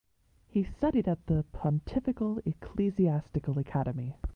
He studied at the Pontifical Ecclesiastical Academy.